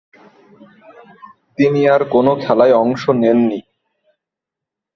তিনি আর কোন খেলায় অংশ নেননি।